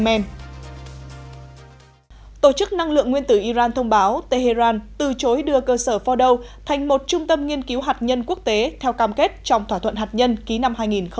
thành một trung tâm nghiên cứu hạt nhân quốc tế theo cam kết trong thỏa thuận hạt nhân ký năm hai nghìn một mươi năm